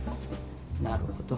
なるほど。